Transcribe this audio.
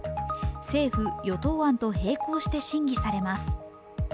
政府・与党案と並行して審議されます。